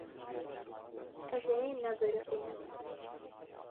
Ez ê nebiriqînim.